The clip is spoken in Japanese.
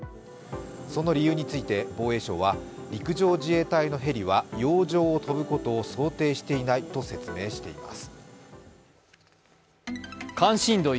その理由について防衛省は陸上自衛隊のヘリは洋上を飛ぶことを想定していないと説明しています。